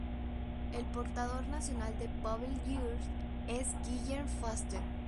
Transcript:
El portavoz nacional de Poble Lliure es Guillem Fuster.